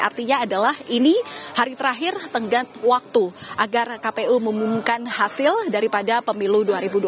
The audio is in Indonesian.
artinya adalah ini hari terakhir tenggat waktu agar kpu mengumumkan hasil daripada pemilu dua ribu dua puluh